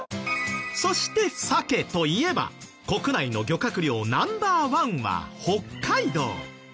そして鮭といえば国内の漁獲量ナンバーワンは北海道。